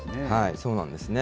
そうなんですね。